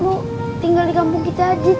lu tinggal di kampung kita aja titik